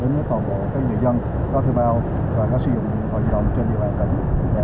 đến tổng bộ người dân có thư bào và có sử dụng hội di động trên địa bàn tỉnh